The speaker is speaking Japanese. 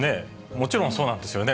もちろんそうなんですよね。